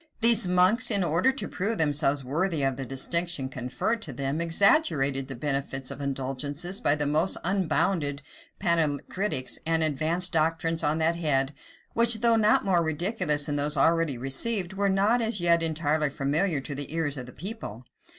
1 These monks, in order to prove themselves worthy of the distinction conferred on them, exaggerated the benefits of indulgences by the most unbounded panegyrics; and advanced doctrines on that head, which, though not more ridiculous than those already received, were not as yet entirely familiar to the ears of the people.